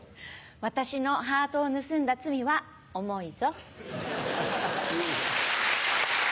私のハートを盗んだ罪は重いぞ。